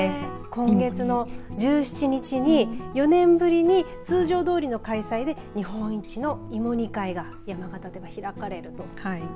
今月の１７日に４年ぶりに通常どおりの開催で日本一の芋煮会が山形では開かれると。